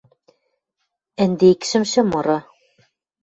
Ӹндекшӹмшӹ мыры